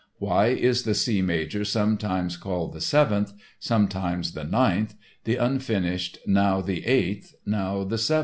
Why is the C major sometimes called the Seventh, sometimes the Ninth, the Unfinished now the Eighth, now the Seventh?